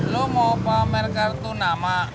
lo mau pamer kartu nama